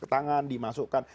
di tangan dimasukkan